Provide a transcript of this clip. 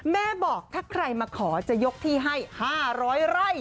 แม่บอกถ้าใครมาขอจะยกที่ให้๕๐๐ไร่